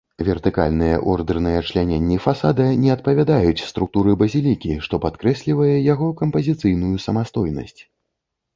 Вертыкальныя ордэрныя чляненні фасада не адпавядаюць структуры базілікі, што падкрэслівае яго кампазіцыйную самастойнасць.